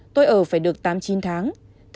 tôi ở phải được tám chín tháng